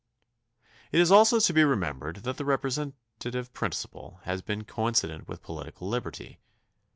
It is also to be remembered that the representative principle has been coincident with political liberty.